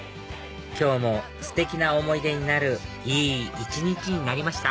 今日もステキな思い出になるいい一日になりました